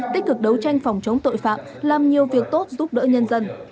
tích cực đấu tranh phòng chống tội phạm làm nhiều việc tốt giúp đỡ nhân dân